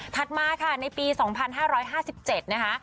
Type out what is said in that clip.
มาค่ะในปี๒๕๕๗นะคะ